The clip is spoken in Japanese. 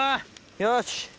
よし！